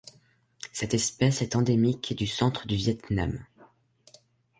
Cette espèce est endémique du centre du Viêt Nam.